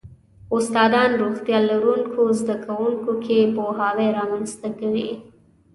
استادان روغتیا لرونکو زده کوونکو کې پوهاوی رامنځته کوي.